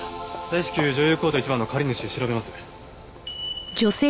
大至急女優コート１番の借り主を調べます。